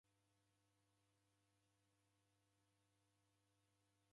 D'aw'elisha mifugho ra kedu